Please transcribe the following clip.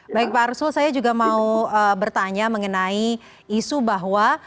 baik pak arsul saya juga mau bertanya mengenai isu bahwa